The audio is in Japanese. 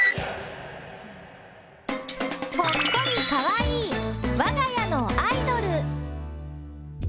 ほっこりかわいいわが家のアイドル。